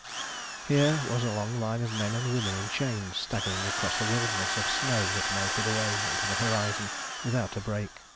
Here was a long line of men and women in chains staggering across a wilderness of snow that melted away into the horizon without a break.